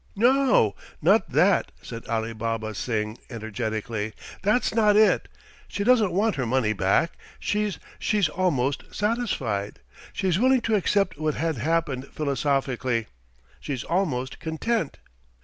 "No. Not that!" said Alibaba Singh energetically. "That's not it. She doesn't want her money back. She she's almost satisfied. She's willing to accept what had happened philosophically. She's almost content.